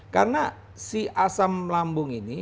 karena si asam lambung ini